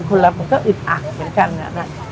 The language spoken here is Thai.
รับมันก็อึดอัดเหมือนกันนะ